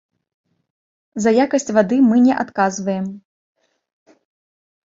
За якасць вады мы не адказваем.